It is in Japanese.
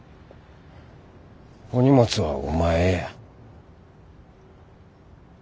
お荷物はお前や。